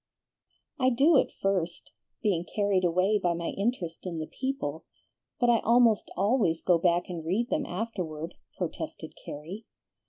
"I do at first, being carried away by my interest in the people, but I almost always go back and read them afterward," protested Carrie.